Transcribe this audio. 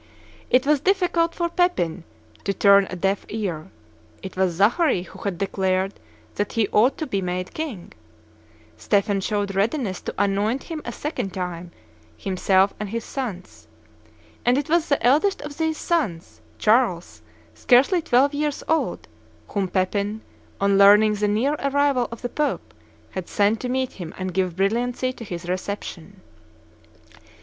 It was difficult for Pepin to turn a deaf ear; it was Zachary who had declared that he ought to be made king; Stephen showed readiness to anoint him a second time, himself and his sons; and it was the eldest of these sons, Charles, scarcely twelve years old, whom Pepin, on learning the near arrival of the Pope, had sent to meet him and give brilliancy to his reception.